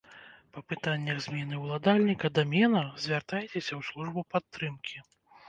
Па пытаннях змены ўладальніка дамена звяртайцеся ў службу падтрымкі.